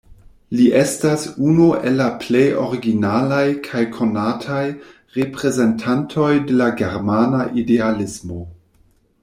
Li estas unu el la plej originalaj kaj konataj reprezentantoj de la germana idealismo.